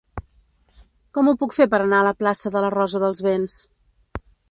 Com ho puc fer per anar a la plaça de la Rosa dels Vents?